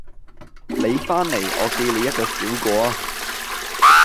你翻嚟我記你一個小過呀